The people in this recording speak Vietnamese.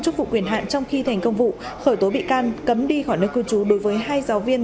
chức vụ quyền hạn trong khi thành công vụ khởi tố bị can cấm đi khỏi nơi cư trú đối với hai giáo viên